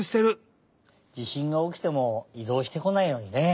地しんがおきてもいどうしてこないようにね。